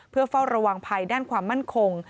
เพื่อเฝ้าระวังภัยด้านความมั่นคง